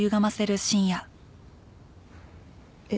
えっ？